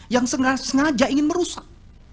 yang sengaja ingin merusak